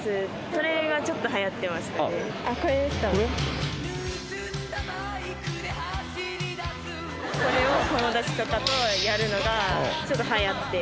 それがちょっとはやってまして。